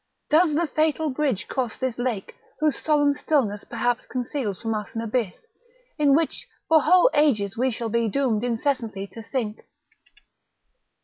does the fatal bridge cross this lake, whose solemn stillness perhaps conceals from us an abyss, in which for whole ages we shall be doomed incessantly to sink?"